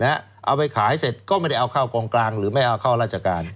เอาไปขายเสร็จก็ไม่ได้เอาเข้ากองกลางหรือไม่เอาเข้าราชการ